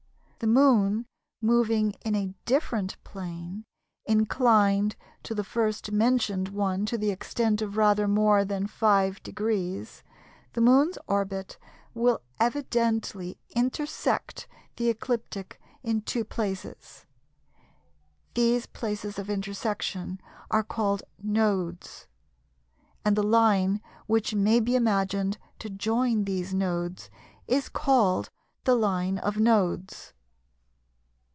The Moon moving in a different plane, inclined to the first mentioned one to the extent of rather more than 5°, the Moon's orbit will evidently intersect the ecliptic in two places. These places of intersection are called "Nodes," and the line which may be imagined to join these Nodes is called the "Line of Nodes."